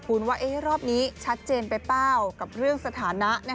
คุณว่ารอบนี้ชัดเจนไปเปล่ากับเรื่องสถานะ